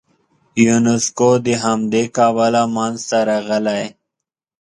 یونسکو د همدې کبله منځته راغلی.